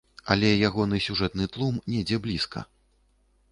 Але ягоны сюжэтны тлум недзе блізка.